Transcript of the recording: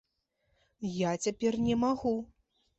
Я цяпер не магу.